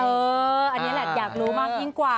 อันนี้แหละอยากรู้มากยิ่งกว่า